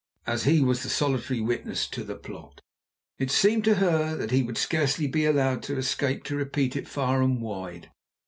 As he was the solitary witness to the plot, it seemed to her that he would scarcely be allowed to escape to repeat it far and wide.